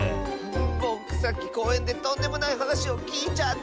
ぼくさっきこうえんでとんでもないはなしをきいちゃったッス。